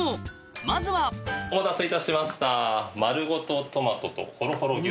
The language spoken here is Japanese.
まずはお待たせいたしましたまるごとトマトとほろほろ牛スネ。